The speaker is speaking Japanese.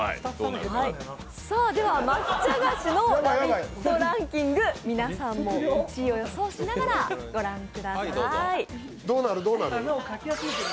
では、抹茶菓子のラビットランキング、皆さんも１位を予想しながら御覧ください。